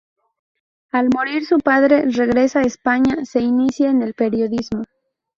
Al morir su padre, regresa a España y se inicia en el periodismo.